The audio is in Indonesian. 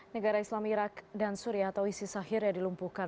negara islam irak dan suria atau isis akhirnya dilumpuhkan